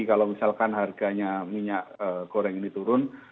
kalau misalkan harganya minyak goreng ini turun